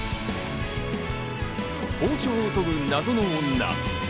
包丁を研ぐ謎の女。